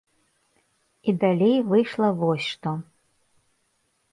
І далей выйшла вось што.